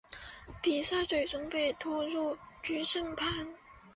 比赛最终被拖入决胜盘。